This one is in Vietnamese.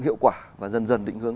hiệu quả và dần dần định hướng